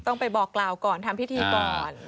ไปบอกกล่าวก่อนทำพิธีก่อน